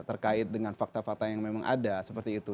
terkait dengan fakta fakta yang memang ada seperti itu